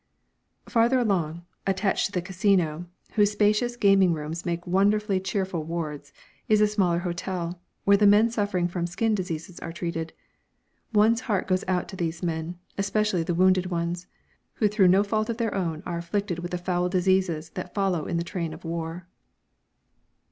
Farther along, attached to the Casino, whose spacious gaming rooms make wonderfully cheerful wards, is a smaller hotel, where the men suffering from skin diseases are treated. One's heart goes out to these men, especially the wounded ones, who through no fault of their own are afflicted with the foul diseases that follow in the train of war.